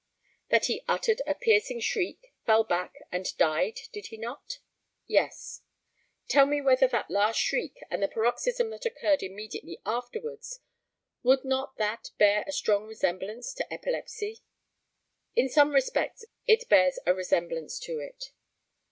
That he uttered a piercing shriek, fell back and died; did he not? Yes. Tell me whether that last shriek and the paroxysm that occurred immediately afterwards would not that bear a strong resemblance to epilepsy? In some respects it bears a resemblance to it.